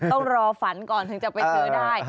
ต้องรอฝันก่อนถึงจะไปซื้อได้